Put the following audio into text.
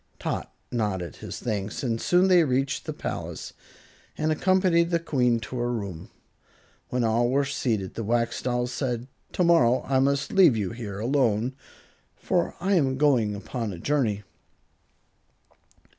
Tot nodded his thanks, and soon they reached the palace and accompanied the Queen to her room. When all were seated the Wax Doll said, "Tomorrow I must leave you here alone, for I am going upon a journey."